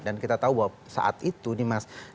dan kita tahu bahwa saat itu nih mas